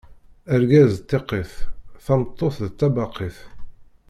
Argaz d tiqqit, tameṭṭut d tabaqit.